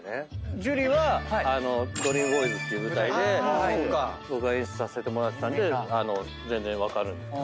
樹は『ＤＲＥＡＭＢＯＹＳ』っていう舞台で僕が演出させてもらってたんで全然分かるんですけど。